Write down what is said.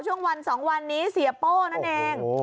ช่วงวัน๒วันนี้เสียโป้นั่นเอง